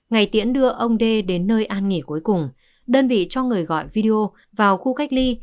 ngày tiễn đưa ông d đến nơi an nghỉ cuối cùng đơn vị cho người gọi video vào khu cách ly